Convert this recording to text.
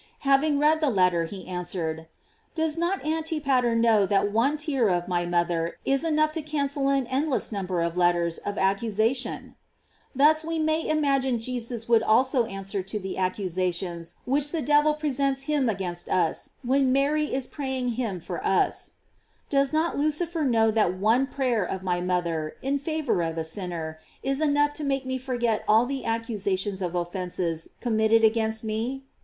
Having read the letter, he answered: "Does not Anti pater know that one tear of my mother is enough to cancel an endless number of letters of ac cusation ?" f Thus we may imagine Jesus would also answer to the accusations which the devil presents him against us when Mary is praying him for us: Does not Lucifer know that one prayer of my mother, in favor of a sinner, is enough to make me forget all the accusations of offences committed against me?